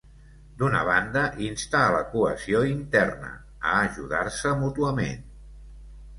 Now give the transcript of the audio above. D'una banda, insta a la cohesió interna, a ajudar-se mútuament.